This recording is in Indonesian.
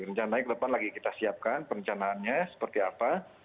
rencananya ke depan lagi kita siapkan perencanaannya seperti apa